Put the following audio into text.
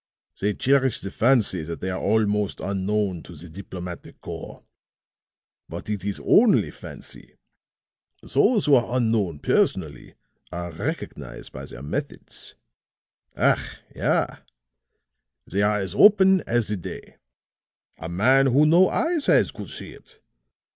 They cherish the fancy that they are also unknown to the diplomatic corps; but it is only fancy. Those who are unknown personally are recognized by their methods. Ach ja! They are as open as the day. A man who no eyes has could see it!